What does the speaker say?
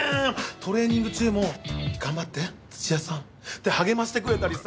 トレーニング中も「頑張って土屋さん」って励ましてくれたりさ。